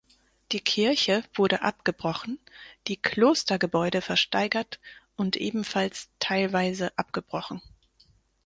Die Kirche wurde abgebrochen, die Klostergebäude versteigert und ebenfalls teilweise abgebrochen.